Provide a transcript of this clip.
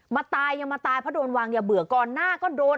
ตายยังมาตายเพราะโดนวางอย่าเบื่อก่อนหน้าก็โดน